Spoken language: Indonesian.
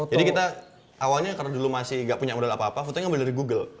jadi kita awalnya karena dulu masih nggak punya modal apa apa fotonya udah dari google